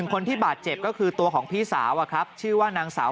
คนที่บาดเจ็บก็คือตัวของพี่สาวชื่อว่านางสาว